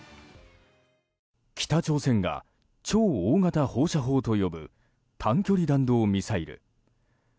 北朝鮮が超大型放射砲と呼ぶ短距離弾道ミサイル。